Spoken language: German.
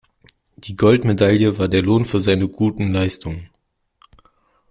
Die Goldmedaille war der Lohn für seine guten Leistungen.